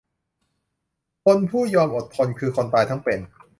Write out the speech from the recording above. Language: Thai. คนผู้ยอมอดทน คือคนตายทั้งเป็น